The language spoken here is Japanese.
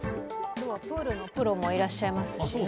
今日はプールのプロもいらっしゃいますしね。